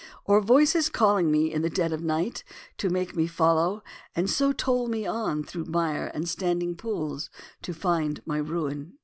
I) : "Or voices calling me in the dead of night, To make me follow, and so tole me on Through mire and standing pools to find my ruin."